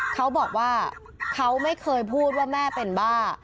เขาบอกว่าเขาไม่เคยพูดว่าแม่เป็นบ้า